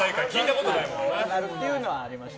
っていうのはありました。